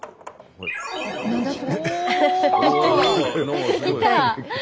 出てきた。